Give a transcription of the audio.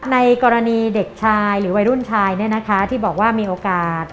ในกรณีเด็กชายหรือวัยรุ่นชายที่บอกว่ามีโอกาส